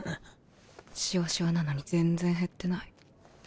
シワシワなのに全然減ってない。